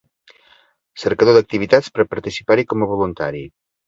Cercador d'activitats per participar-hi com a voluntari.